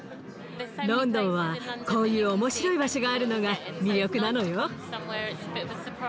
ロンドンはこういう面白い場所があるのが魅力なのよ。